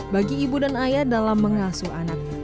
bagi ibu dan ayah dalam mengasuh anak